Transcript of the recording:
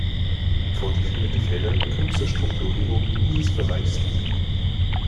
Vordefinierte Felder können zur Strukturierung dieses Bereichs dienen.